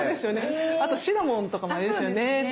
あとシナモンとかもいいんですよね。